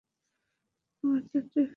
আমার যাত্রা এখানেই সমাপ্ত।